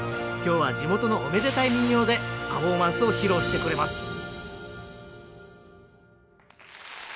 今日は地元のおめでたい民謡でパフォーマンスを披露してくれます